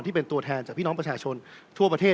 ที่เป็นตัวแทนจากพี่น้องประชาชนทั่วประเทศ